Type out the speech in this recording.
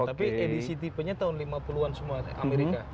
tapi edisi tipenya tahun lima puluh an semua amerika